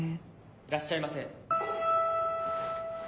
いらっしゃいませ。